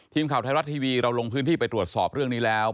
ทีมข่าวไทยรัฐทีวีเราลงพื้นที่ไปตรวจสอบเรื่องนี้แล้ว